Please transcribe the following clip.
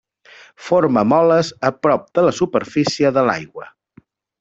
Forma moles a prop de la superfície de l'aigua.